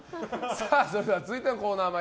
それでは、続いてのコーナー